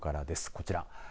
こちら。